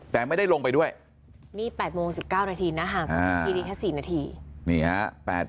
แต่ไม่ได้ลงไปด้วยนี่๘โมง๑๙นาทีนะถั้งที่นี้เท่า๔นาที